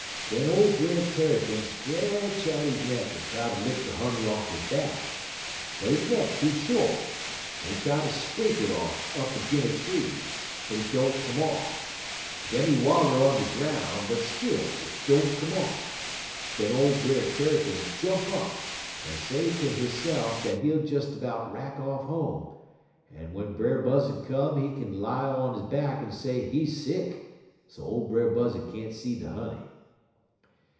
"Den ole Brer Tarrypin stretch out he neck en try ter lick de honey off'n he back, but he neck too short; en he try ter scrape it off up 'g'in' a tree, but it don't come off; en den he waller on de groun', but still it don't come off. Den old Brer Tarrypin jump up, en say ter hisse'f dat he'll des 'bout rack off home, en w'en Brer Buzzud come he kin lie on he back en say he sick, so ole Brer Buzzud can't see de honey.